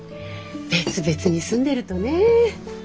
別々に住んでるとねぇ。